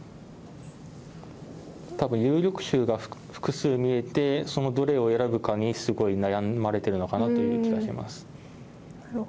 たぶん有力手が複数見えて、そのどれを選ぶかにすごい悩まれているのかなという気がします。